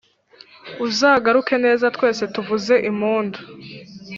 Uzagaruke neza twese tuvuze impundu